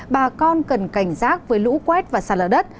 bà con cần cảnh giác với lũ quét và xa lở đất